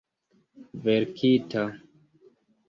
verkita